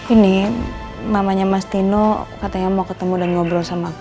ini mamanya mas tino katanya mau ketemu dan ngobrol sama aku